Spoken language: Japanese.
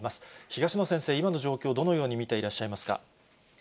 東野先生、今の状況、どのように見ていらっしゃいますか。